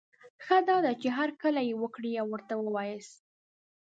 ښه دا ده، چي هرکلی یې وکړی او ورته وواياست